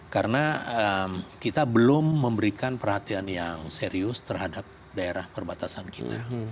karena kita belum memberikan perhatian yang serius terhadap daerah perbatasan kita